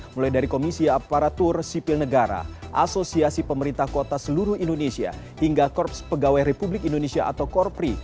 mulai dari komisi aparatur sipil negara asosiasi pemerintah kota seluruh indonesia hingga korps pegawai republik indonesia atau korpri